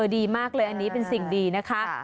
ดีมากเลยอันนี้เป็นสิ่งดีนะคะ